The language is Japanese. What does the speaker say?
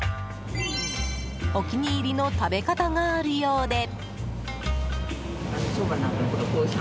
お気に入りの食べ方があるようで。